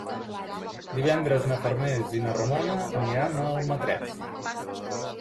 Divendres na Farners i na Ramona aniran a Almatret.